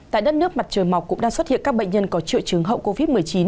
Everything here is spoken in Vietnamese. tại đất nước mặt trời mọc cũng đang xuất hiện các bệnh nhân có triệu chứng hậu covid một mươi chín